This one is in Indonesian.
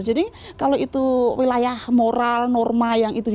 jadi kalau itu wilayah moral norma yang ada di sana